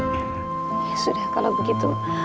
ya sudah kalau begitu